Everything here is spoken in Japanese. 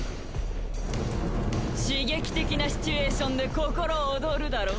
刺激的なシチュエーションで心躍るだろう？